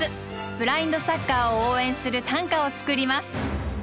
ブラインドサッカーを応援する短歌を作ります。